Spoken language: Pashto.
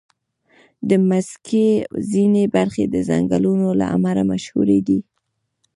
د مځکې ځینې برخې د ځنګلونو له امله مشهوري دي.